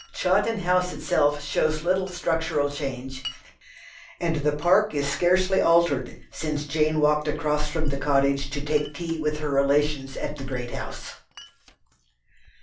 Chawton House itself shows little structural change, and the park is scarcely altered since Jane walked across from the Cottage to take tea with her relations at the great house.